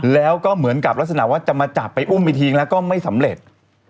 แล้วก็เหมือนกับลักษณะว่าจะมาจับไปอุ้มอีกทีแล้วก็ไม่สำเร็จ